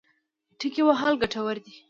ټکی وهل ګټور دی.